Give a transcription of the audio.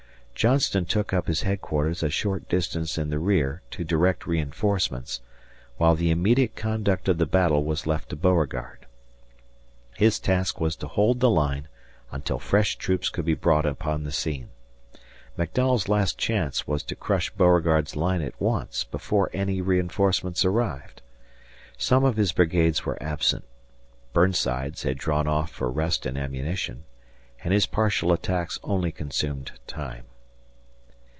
Johnston took up his headquarters a short distance in the rear to direct reinforcements, while the immediate conduct of the battle was left to Beauregard. His task was to hold the line until fresh troops could be brought upon the scene. McDowell's last chance was to crush Beauregard's line at once before any reinforcements arrived. Some of his brigades were absent Burnside's had drawn off for rest and ammunition and his partial attacks only consumed time.